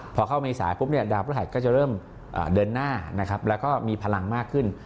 พอเข้าเมษาปุ๊บดาวพฤหัสก็จะเริ่มเดินหน้าแล้วก็มีพลังมากขึ้น